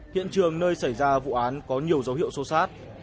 hiện trường nơi xảy ra vụ án có nhiều dấu hiệu sâu sát